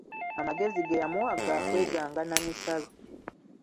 Amagezi ge yamuwa ga kweganga n'amisalo.